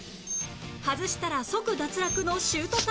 外したら即脱落のシュート対決